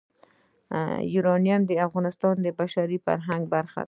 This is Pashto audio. یورانیم د افغانستان د بشري فرهنګ برخه ده.